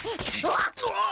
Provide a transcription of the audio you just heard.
うわっ！